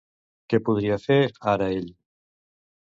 Què podria fer ara ell?